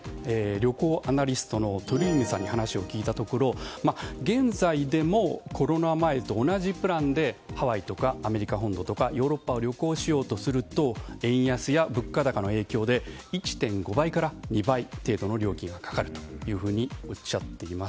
旅行アナリストの鳥海さんに話を聞いたところ現在でもコロナ前と同じプランでハワイやアメリカ本土ヨーロッパを旅行しようとすると円安や物価高の影響で１．５倍から２倍程度の料金がかかるというふうにおっしゃっています。